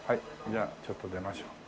じゃあちょっと出ましょう。